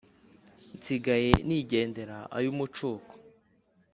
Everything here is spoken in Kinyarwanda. nsigaye nigendera ay’umucuko,